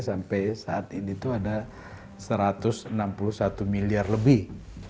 sampai saat ini tuh ada satu ratus enam puluh satu miliar lebih